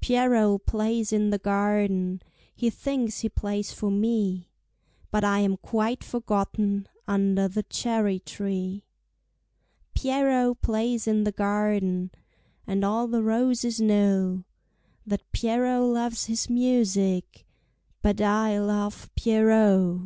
Pierrot plays in the garden, He thinks he plays for me, But I am quite forgotten Under the cherry tree. Pierrot plays in the garden, And all the roses know That Pierrot loves his music, But I love Pierrot.